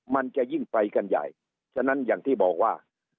มันจะยิ่งไปกันใหญ่ฉะนั้นอย่างที่บอกว่า